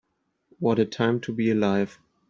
What a time to be alive.